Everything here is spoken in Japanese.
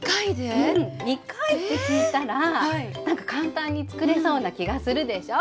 ２回って聞いたらなんか簡単に作れそうな気がするでしょう？